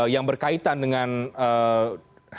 yang berkaitan dengan penyakit mulut dan kuku